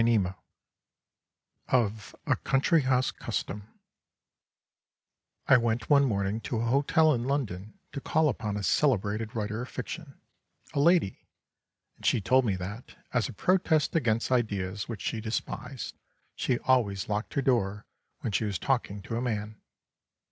XXII OF A COUNTRY HOUSE CUSTOM I went one morning to a hotel in London to call upon a celebrated writer of fiction, a lady, and she told me that, as a protest against ideas which she despised, she always locked her door when she was talking to a man.